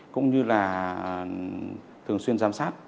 cũng như là thường xuyên giám sát